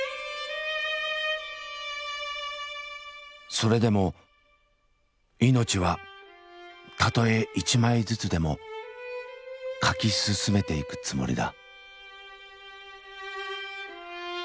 それでも「いのち」はたとえ一枚ずつでも書き進めていくつもりだ。